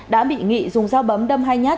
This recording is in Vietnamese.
đã bị nghị dùng dao bấm đâm hay nhát